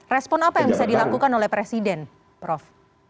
respon apa yang bisa dilakukan oleh presiden prof